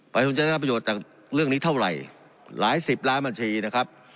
ปัญหาทำประโยชน์จากเรื่องนี้เท่าไรหลายสิบล้านวัญชีนะครับ